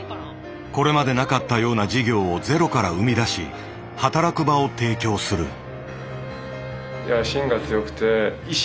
これまでなかったような事業をゼロから生み出し「働く場」を提供する。